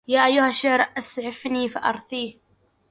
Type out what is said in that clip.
يا أيها الشعر أسعفني فأرثيه